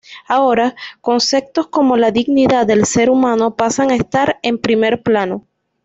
Ahora, conceptos como la dignidad del ser humano pasan a estar en primer plano.